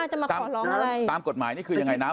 จะมาขอร้องอะไรตามกฎหมายนี่คือยังไงนะ